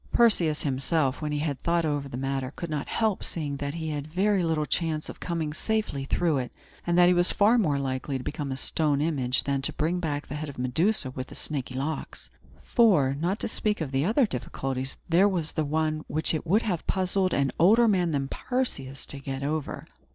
Perseus himself, when he had thought over the matter, could not help seeing that he had very little chance of coming safely through it, and that he was far more likely to become a stone image than to bring back the head of Medusa with the snaky locks. For, not to speak of other difficulties, there was one which it would have puzzled an older man than Perseus to get over.